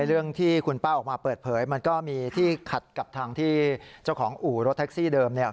เรื่องที่คุณป้าออกมาเปิดเผยมันก็มีที่ขัดกับทางที่เจ้าของอู่รถแท็กซี่เดิมเนี่ย